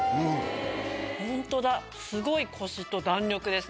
ホントだすごいコシと弾力です